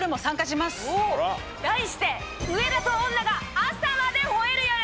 題して『上田と女が朝まで吠える夜』！